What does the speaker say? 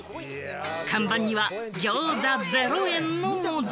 看板には「餃子０円！」の文字。